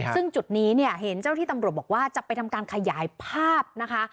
ซึ่งจุดนี้เนี่ยเห็นเจ้าที่ตำรวจบอกว่าจะไปทำการขยายภาพนะคะ